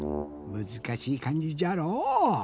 むずかしい「かんじ」じゃろう。